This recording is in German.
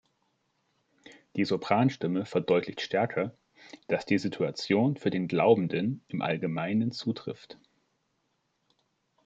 Die Sopran-Stimme verdeutlicht stärker, dass die Situation für den Glaubenden im Allgemeinen zutrifft.